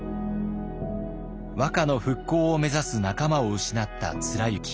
和歌の復興を目指す仲間を失った貫之。